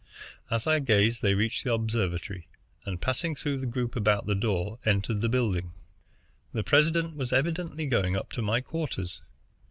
As I gazed they reached the observatory, and, passing through the group about the door, entered the building. The president was evidently going up to my quarters.